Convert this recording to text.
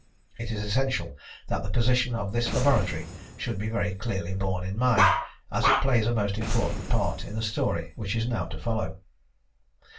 It is essential that the position of this laboratory should be very clearly borne in mind, as it plays a most important part in the story which is now to follow.